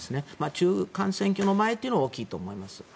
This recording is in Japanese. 中間選挙の前というのが大きいと思います。